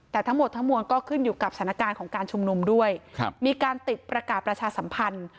แต่ทั้งหมดทั้งมวลก็ขึ้นอยู่กับสถานการณ์ของการชุมนุมด้วยมีการติดประกาศประชาสัมพันธ์